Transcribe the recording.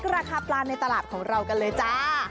ราคาปลาในตลาดของเรากันเลยจ้า